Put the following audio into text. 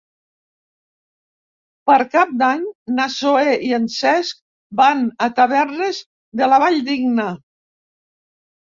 Per Cap d'Any na Zoè i en Cesc van a Tavernes de la Valldigna.